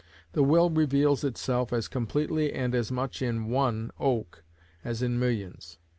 The will reveals itself as completely and as much in one oak as in millions.